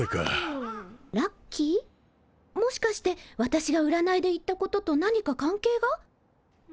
もしかして私がうらないで言ったことと何か関係が？